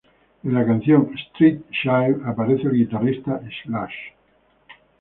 En la canción "Street Child" aparece el guitarrista Slash.